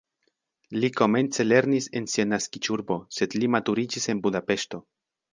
Li komence lernis en sia naskiĝurbo, sed li maturiĝis en Budapeŝto.